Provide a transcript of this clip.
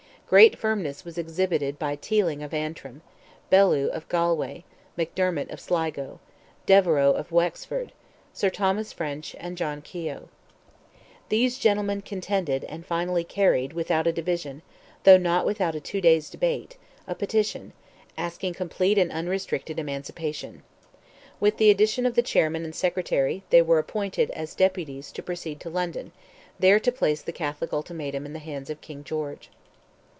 Great firmness was exhibited by Teeling of Antrim, Bellew of Galway, McDermott of Sligo, Devereux of Wexford, Sir Thomas French, and John Keogh. These gentlemen contended, and finally carried, without a division, though not without a two days' debate, a petition, asking complete and unrestricted emancipation. With the addition of the Chairman and Secretary, they were appointed as deputies to proceed to London, there to place the Catholic ultimatum in the hands of King George.